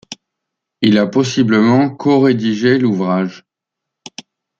Il a possiblement co-rédigé l'ouvrage.